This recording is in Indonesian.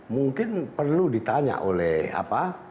mungkin perlu ditanya oleh apa